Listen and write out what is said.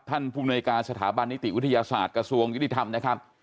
ภูมิหน่วยการสถาบันนิติวิทยาศาสตร์กระทรวงยุติธรรมนะครับ